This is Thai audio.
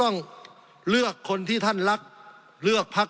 สงบจนจะตายหมดแล้วครับ